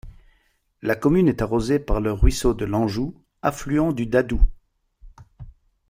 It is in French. La commune est arrosée par le Ruisseau de Lenjou, affluent du Dadou.